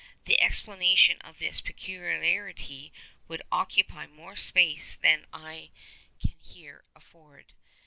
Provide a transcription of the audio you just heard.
The explanation of this peculiarity would occupy more space than I can here afford.